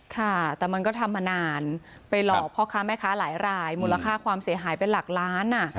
ค่ะแต่มันก็ทำมานานไปหลอกพ่อค้าแม่ค้าหลายรายมูลค่าความเสียหายเป็นหลักล้าน